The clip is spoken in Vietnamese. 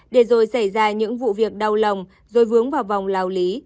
để rồi xảy ra những vụ việc đau lòng rồi vướng vào vòng lao lý